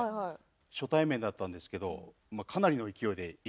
初対面だったんですけどかなりの勢いでいかれて。